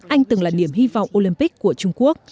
anh từng là niềm hy vọng olympic của trung quốc